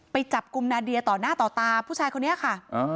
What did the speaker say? ไปจับกลุ่มนาเดียต่อหน้าต่อตาผู้ชายคนนี้ค่ะ